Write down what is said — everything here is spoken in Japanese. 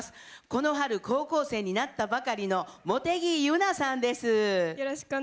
この春、高校生になったばかりの茂木結菜さんです。